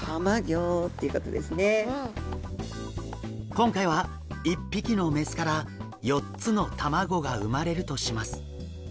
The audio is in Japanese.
今回は１匹の雌から４つの卵が産まれるとします。